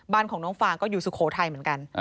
บ้านของน้องฟางก็อยู่สุโขทัยเหมือนกัน